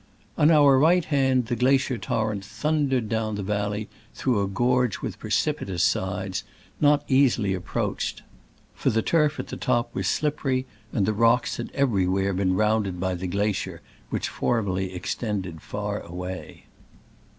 On our right the glacier torrent thun dered down the valley through a gorge with precipitous sides, not easily ap proached, for the turf at the top was slippery, and the rocks had everywhere been rounded by the glacier, which for merly extended far away.